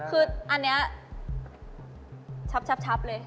คืออันนี้ชับเลย